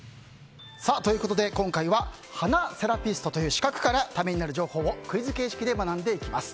今回は花セラピストという資格からためになる情報をクイズ形式で学んでいきます。